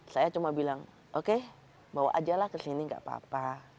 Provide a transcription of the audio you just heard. saya cuma bilang oke bawa aja lah ke sini nggak apa apa